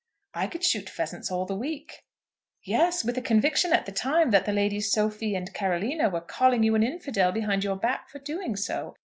"I could shoot pheasants all the week." "Yes, with a conviction at the time that the Ladies Sophie and Carolina were calling you an infidel behind your back for doing so.